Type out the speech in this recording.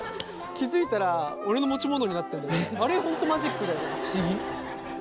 気付いたら俺の持ち物になっててあれ本当マジックだよね不思議。